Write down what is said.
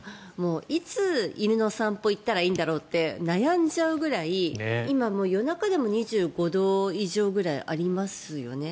いつ、犬の散歩に行ったらいいんだろうって悩んじゃうぐらい今、夜中でも２５度以上ぐらいありますよね。